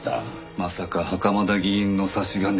まさか袴田議員の差し金とか？